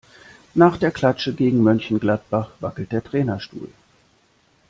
Nach der Klatsche gegen Mönchengladbach wackelt der Trainerstuhl.